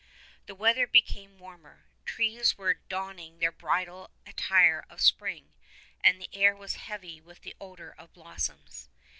The weather became warmer. Trees were donning their bridal attire of spring and the air was heavy with the odor of blossoms.